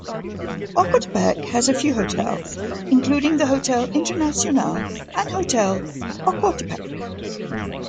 Ocotepeque has a few hotels, including the Hotel Internacional and Hotel Ocotepeque.